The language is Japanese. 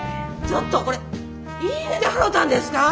ちょっとこれ言い値で払たんですか？